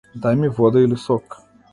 Дај ми вода или сок.